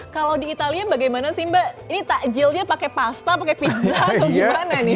kalau di italia bagaimana sih mbak ini takjilnya pakai pasta pakai pizza atau gimana nih